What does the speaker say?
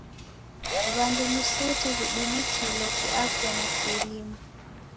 W'andu ni suti w'idumikilo kiafya na kielimu.